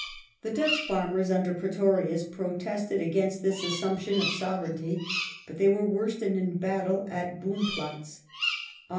The Dutch farmers under Pretorius protested against this " assumption " of Sovereignty, but they were worsted in battle at BoompJatz (Aug.